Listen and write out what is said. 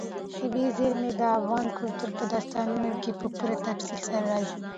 طبیعي زیرمې د افغان کلتور په داستانونو کې په پوره تفصیل سره راځي.